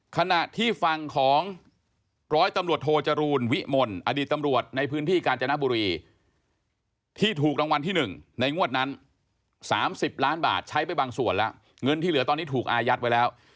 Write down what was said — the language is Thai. ขณะที่ฝั่งของร้อยตำรวจโทจรูลวิมลอดีตตำรวจในพื้นที่กาญจนบุรีที่ถูกรางวัลที่๑ในงวดนั้น๓๐ล้านบาทใช้ไปบางส่วนแล้วเงินที่เหลือตอนนี้ถูกอายัดไว้แล้ว